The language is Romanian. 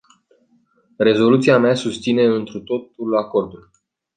Rezoluția mea susține întru totul acordul.